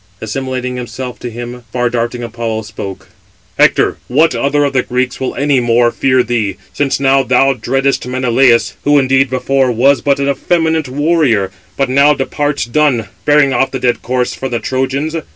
Assimilating himself to him, far darting Apollo spoke: "Hector, what other of the Greeks will any more fear thee, since now thou dreadest Menelaus, who indeed before was but an effeminate warrior, but now departs done, bearing off the dead corse from the Trojans?